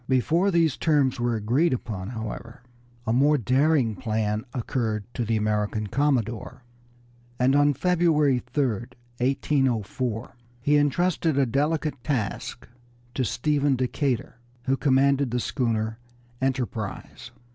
Before these terms were agreed upon, however, a more daring plan occurred to the American commodore, and on February 3, 1804, he entrusted a delicate task to Stephen Decatur, who commanded the schooner Enterprise.